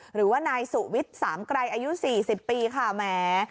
หรือว่านายสุวิทย์สามไกรอายุ๔๐ปีค่ะแหม